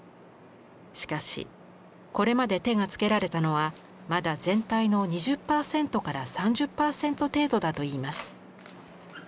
しかしこれまで手がつけられたのはまだ全体の２０％から３０％程度だといいます。